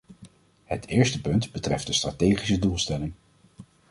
Het eerste punt betreft de strategische doelstelling.